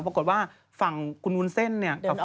ปรากฏว่าฝั่งคุณวุ้นเส้นเนี่ย